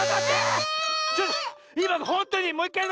ちょっといまのほんとにもういっかい！